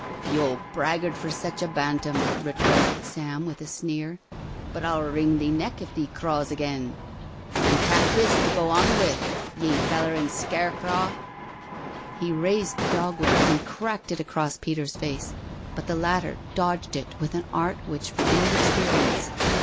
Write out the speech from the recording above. " Yo' brag'ard for sech a bantam," retorted Sam with a sneer, " but I'll wring thee neck if thee craws agen. An* tak* this to go on wi', ye bellerin' scare craw." He raised the dog whip and cracked it across Peter's face, but the latter dodged it with an art which revealed experience.